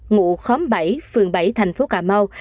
ngụ khóm bảy phường bảy thành phố cà mau